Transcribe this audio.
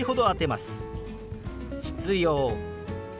「必要」。